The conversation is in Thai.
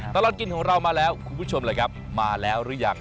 ตลอดกินของเรามาแล้วคุณผู้ชมล่ะครับมาแล้วหรือยัง